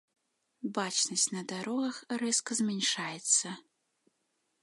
Бачнасць на дарогах рэзка змяншаецца.